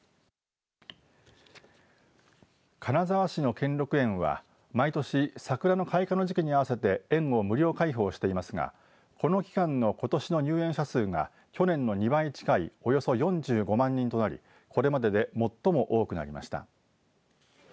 金沢市の兼六園は毎年、桜の開花の時期に合わせて園を無料開放していますがこの期間のことしの入園者数が去年の２倍近いおよそ４５万人となりこれまでで最も多くなりました。